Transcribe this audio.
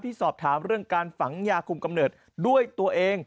สอบถามเรื่องการฝังยาคุมกำเนิดด้วยตัวเอง